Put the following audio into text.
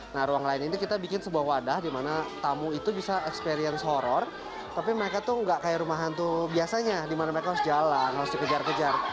nah ruang lain ini kita bikin sebuah wadah di mana tamu itu bisa experience horror tapi mereka tuh nggak kayak rumah hantu biasanya di mana mereka harus jalan harus dikejar kejar